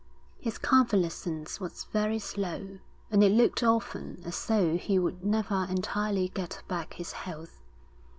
His convalescence was very slow, and it looked often as though he would never entirely get back his health.